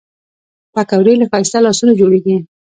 پکورې له ښایسته لاسونو جوړېږي